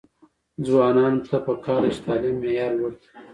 ځوانانو ته پکار ده چې، تعلیم معیار لوړ کړي.